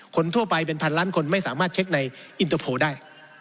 คนทั่วไปเป็นพันล้านคนไม่สามารถเช็คในอินเตอร์โพลได้